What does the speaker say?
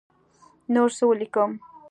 نور څه ولیکم.